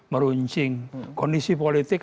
meruncing kondisi politik